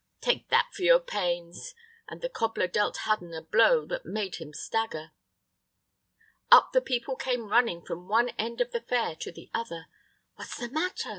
Take that for your pains," and the cobbler dealt Hudden a blow that made him stagger. Up the people came running from one end of the fair to the other. "What's the matter?